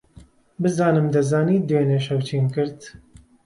بزانم دەزانیت دوێنێ شەو چیم کرد.